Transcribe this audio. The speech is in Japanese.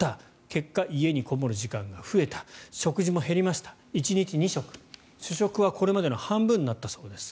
結果家にこもる時間が増えた食事も減りました、１日２食主食はこれまでの半分になったそうです。